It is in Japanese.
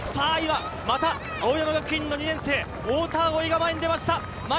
また青山学院の２年生・太田蒼生が前に出ました。